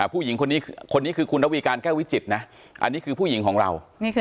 ผู้หญิงคนนี้คนนี้คือคุณระวีการแก้ววิจิตนะอันนี้คือผู้หญิงของเรา